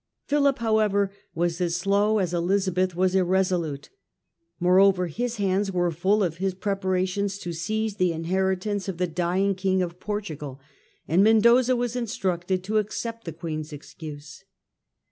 Philip, however, was as slow as Elizabeth was irresolute. Moreover his hands were full of his pre parations to seize the inheritance of the dying King of Portugal, and Mendoza was instructed to accept the Queen's excuse.